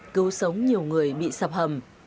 cứu sống nhiều người bị sập hầm